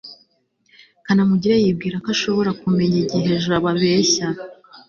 kanamugire yibwira ko ashobora kumenya igihe jabo abeshya